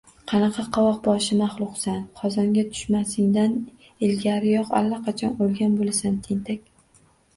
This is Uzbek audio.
– Qanaqa qovoqbosh maxluqsan? Qozonga tushmasingdan ilgariyoq, allaqachon o‘lgan bo‘lasan, tentak!